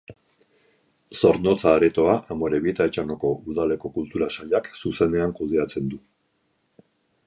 Zornotza Aretoa Amorebieta-Etxanoko Udaleko Kultura Sailak zuzenean kudeatzen du.